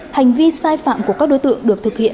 hành vi sai phạm của các đối tượng được thực hiện